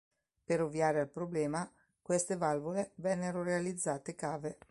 Per ovviare al problema, queste valvole vennero realizzate cave.